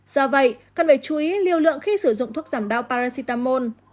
do vậy cần phải chú ý liều lượng khi sử dụng thuốc giảm đau paracetamol